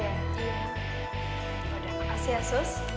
terima kasih ya sus